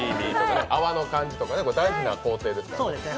泡の感じとかね大事な行程ですからね。